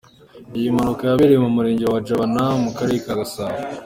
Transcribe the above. Iyi mpanuka yabereye mu Murenge wa Jabana mu Karere ka Gasabo.